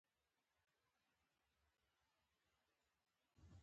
زه خپل کور ولیکم.